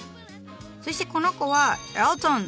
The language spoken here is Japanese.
そしてこの子はエルトン！